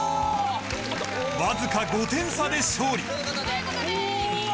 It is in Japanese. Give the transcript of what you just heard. わずか５点差で勝利。